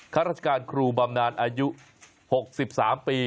ข้าราชการครูบำนานอายุ๖๓ปี